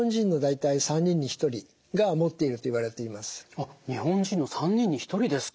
あっ日本人の３人に１人ですか。